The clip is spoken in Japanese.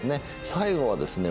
最後はですね